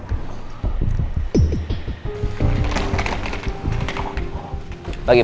mau kemana lagi ma